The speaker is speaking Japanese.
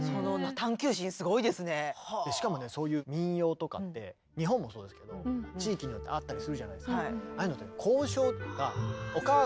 しかもねそういう民謡とかって日本もそうですけど地域によってあったりするじゃないですか。